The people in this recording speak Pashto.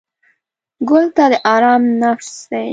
ګل د آرام نفس دی.